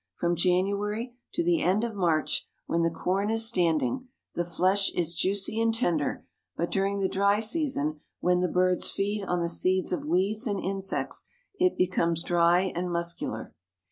From January to the end of March, when the corn is standing, the flesh is juicy and tender, but during the dry season, when the birds feed on the seeds of weeds and insects, it becomes dry and muscular.